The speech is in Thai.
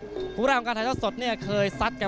สวัสดีครับกลับมาว่ากันต่อกับความมั่นของศึกยอดมวยไทยรัฐนะครับ